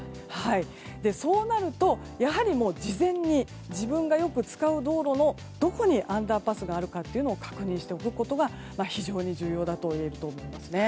そうなると、やはり事前に自分がよく使う道路のどこにアンダーパスがあるかを確認しておくことが非常に重要だといえると思います。